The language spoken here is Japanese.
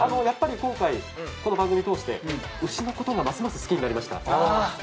やっぱり今回この番組通して牛のことがますます好きになりました。